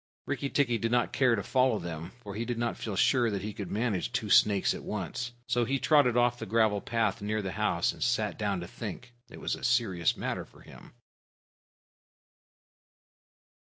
Rikki tikki did not care to follow them, for he did not feel sure that he could manage two snakes at once. So he trotted off to the gravel path near the house, and sat down to think. It was a serious matter for him.